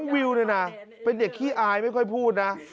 วิวเนี่ยนะเป็นเด็กขี้อายไม่ค่อยพูดนะ